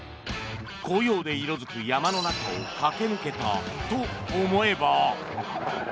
紅葉で色付く山の中を駆け抜けたと思えば。